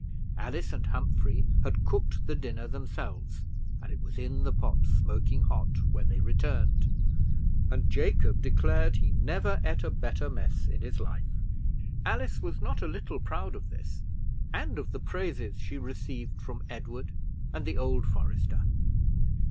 Alice and Humphrey had cooked the dinner themselves, and it was in the pot, smoking hot, when they returned; and Jacob declared he never ate a better mess in his life. Alice was not a little proud of this, and of the praises she received from Edward and the old forester.